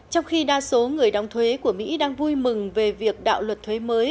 trong khi đa số người đóng thuế của mỹ đang vui mừng về việc đạo luật thuế mới